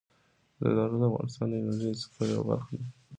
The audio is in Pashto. زردالو د افغانستان د انرژۍ د سکتور یوه برخه ده.